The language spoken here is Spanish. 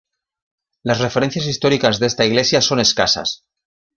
Las referencias históricas de esta iglesia son escasas.